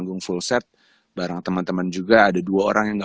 itu hasil yang athletes dan crew